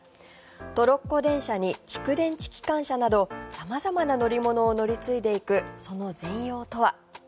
トロッコ電車に蓄電池機関車など様々な乗り物を乗り継いでいくその全容とは。